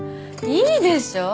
いいでしょ？